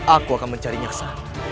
aku akan mencari nyaksa